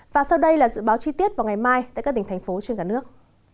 và sau đây là dự báo chi tiết vào ngày mai tại các tỉnh thành phố trên cả nước